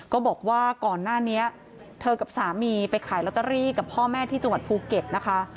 ก็บอกว่าก่อนหน้านี้เธอกับสามีไปขายลอตเตอรี่กับพ่อแม่ที่จังหวัดภูเก็ตนะคะ